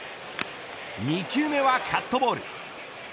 ２球目はカットボール